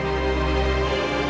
tidak ada suara orang nangis